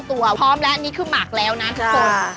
ตัวพร้อมแล้วอันนี้คือหมักแล้วนะทุกคน